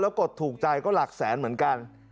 กดถูกใจก็หลักแสนเหมือนกัน